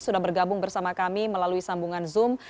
sudah bergabung bersama kami melalui sambungan zoom